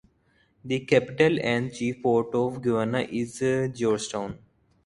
The capital and chief port of Guyana is Georgetown.